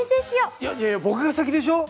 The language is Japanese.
いやいや僕が先でしょ！